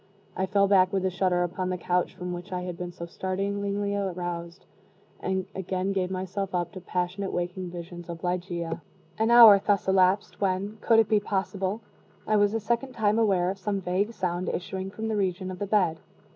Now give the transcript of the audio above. I fell back with a shudder upon the couch from which I had been so startlingly aroused, and again gave myself up to passionate waking visions of Ligeia. An hour thus elapsed, when (could it be possible?) I was a second time aware of some vague sound issuing from the region of the bed.